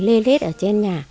lê lết ở trên nhà